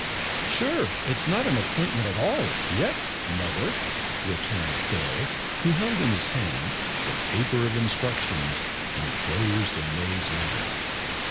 "Sure it's not an appointment at all yet, mother," returned Phil, who held in his hand the paper of instructions enclosed in May's letter.